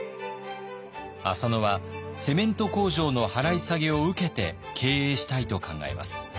浅野はセメント工場の払い下げを受けて経営したいと考えます。